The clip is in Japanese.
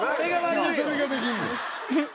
なんでそれができんねん。